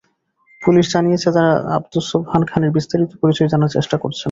Police জানিয়েছে, তারা আবদুস সোবাহান খানের বিস্তারিত পরিচয় জানার চেষ্টা করছেন।